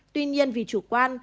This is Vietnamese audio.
tuy nhiên vì chủ quan